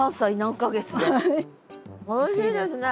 おいしいですね。